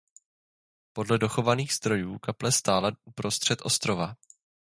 Podle dochovaných zdrojů kaple stála uprostřed ostrova.